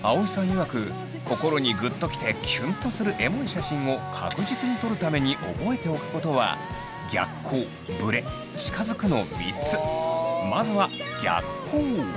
いわく心にグッときてキュンとするエモい写真を確実に撮るために覚えておくことはまずは逆光。